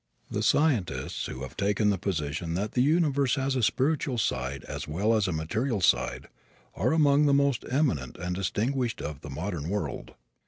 The scientists who have taken the position that the universe has a spiritual side as well as a material side are among the most eminent and distinguished of the modern world.